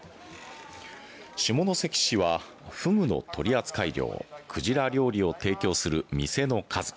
下関市はふぐの取り扱い量鯨料理を提供する店の数